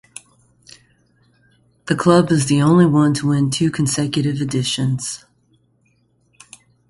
The club is the only one to win two consecutive editions.